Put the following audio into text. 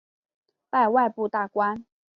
拜外部大官。